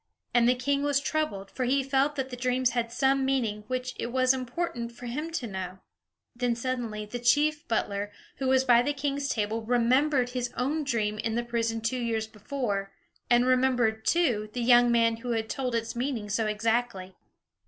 And the king was troubled, for he felt that the dreams had some meaning which it was important for him to know. Then suddenly the chief butler who was by the king's table remembered his own dream in the prison two years before, and remembered, too, the young man who had told its meaning so exactly.